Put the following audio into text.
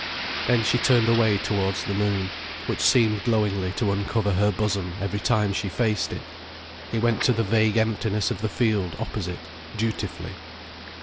Then she turned away towards the moon, which seemed glowingly to uncover her bosom every time she faced it. He went to the vague emptiness of the field opposite, dutifully.